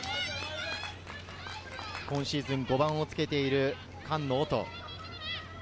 今シーズン、５番をつけている菅野奏音。